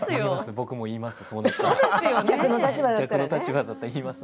僕も言います。